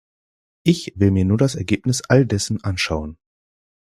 Ich will mir nur das Ergebnis all dessen anschauen.